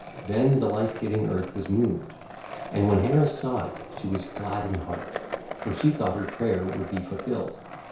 Then the life giving earth was moved: and when Hera saw it she was glad in heart, for she thought her prayer would be fulfilled.